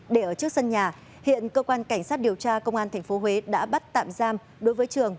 để ở trước sân nhà hiện cơ quan cảnh sát điều tra công an tp huế đã bắt tạm giam đối với trường